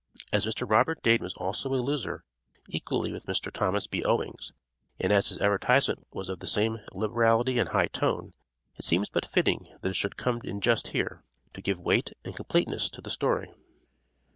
As Mr. Robert Dade was also a loser, equally with Mr. Thomas B. Owings, and as his advertisement was of the same liberality and high tone, it seems but fitting that it should come in just here, to give weight and completeness to the story.